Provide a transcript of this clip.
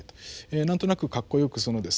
何となくかっこよくそのですね